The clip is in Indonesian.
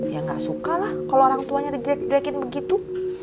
ya nggak suka lah kalo orangtuanya digeekin begitu